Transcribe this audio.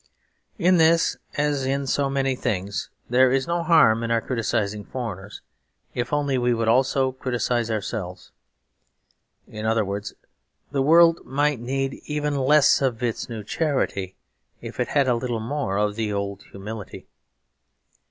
In this, as in so many things, there is no harm in our criticising foreigners, if only we would also criticise ourselves. In other words, the world might need even less of its new charity, if it had a little more of the old humility.